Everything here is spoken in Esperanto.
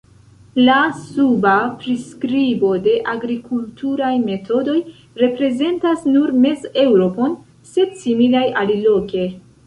La suba priskribo de agrikulturaj metodoj reprezentas nur Mez-Eŭropon, sed similaj aliloke.